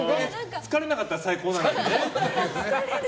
疲れなかったら最高なのにね。